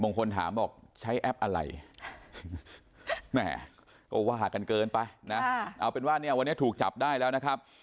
บางคนถามบอกใช้แอปอะไรแม่ก็ว่ากันเกินไปนะเอาเป็นว่าเนี่ยวันนี้ถูกจับได้แล้วนะครับ